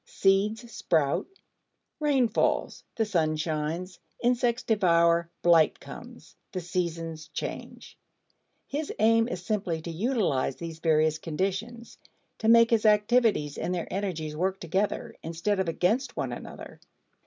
Seeds sprout, rain falls, the sun shines, insects devour, blight comes, the seasons change. His aim is simply to utilize these various conditions; to make his activities and their energies work together, instead of against one another.